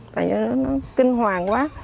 tại vì nó kinh hoàng quá